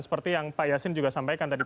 seperti yang pak yasin juga sampaikan tadi